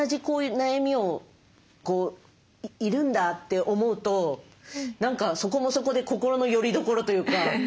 こういう悩みをいるんだって思うと何かそこもそこで心のよりどころというか。